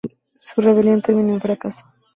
Su rebelión terminó en fracaso.